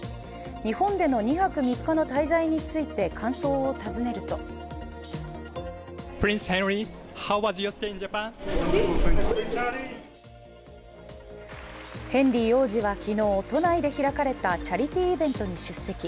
日本での２泊３日の滞在について、感想を尋ねるとヘンリー王子は昨日、都内で開かれたチャリティーイベントに出席。